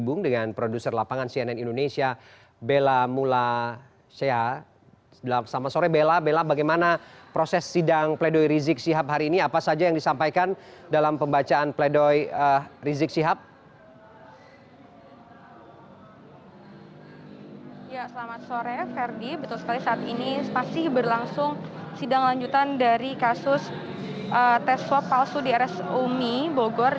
betul sekali saat ini masih berlangsung sidang lanjutan dari kasus tes swab palsu di rs umi bogor